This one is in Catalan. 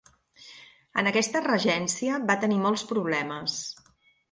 En aquesta regència va tenir molts problemes.